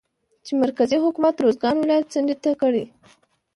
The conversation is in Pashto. چې مرکزي حکومت روزګان ولايت څنډې ته کړى